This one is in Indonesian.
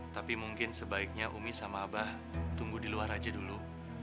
tapi mungkin sebaiknya umi sama abah tunggu di luar aja dulu